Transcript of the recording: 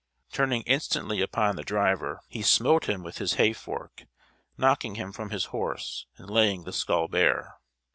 Turning instantly upon the driver, he smote him with his hayfork, knocking him from his horse, and laying the skull bare.